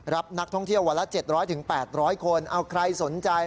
รับนักท่องเที่ยววันละเจ็ดร้อยถึงแปดร้อยคนเอาใครสนใจ